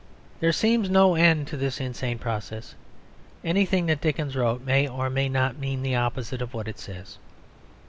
There seems no end to this insane process; anything that Dickens wrote may or may not mean the opposite of what it says.